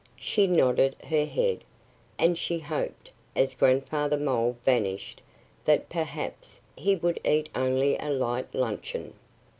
She nodded her head; and she hoped, as Grandfather Mole vanished, that perhaps he would eat only a light luncheon.